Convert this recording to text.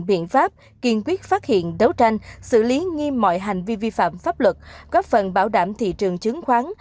biện pháp kiên quyết phát hiện đấu tranh xử lý nghiêm mọi hành vi vi phạm pháp luật góp phần bảo đảm thị trường chứng khoán